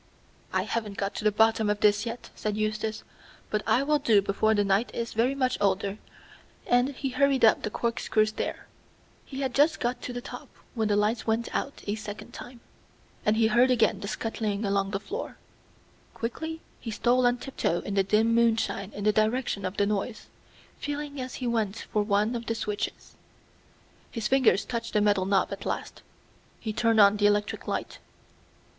"I haven't got to the bottom of this yet," said Eustace, "but I will do before the night is very much older," and he hurried up the corkscrew stair. He had just got to the top when the lights went out a second time, and he heard again the scuttling along the floor. Quickly he stole on tiptoe in the dim moonshine in the direction of the noise, feeling as he went for one of the switches. His fingers touched the metal knob at last. He turned on the electric light.